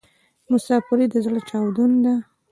مسافري د ﺯړه چاودون ده